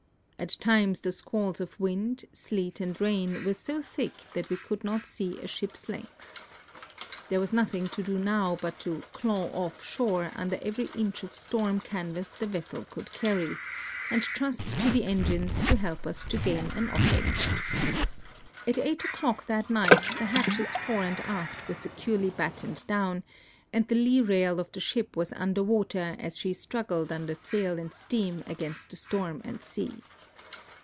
At times the stiualls of wind, sleet, and rain were so thick that we could not see a ship's length. There was nothing to do now but to '• claw off" shore under every inch of storm canvas the vessel could carry, and trust to the engines to help us to gain an oiling. At 8 o'clock that night the hatches fore and aft were securely battened down, a^id the lee rail of the ship was under water as she struggled under sail and steam against the storm and sea.